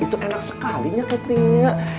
itu enak sekalinya cateringnya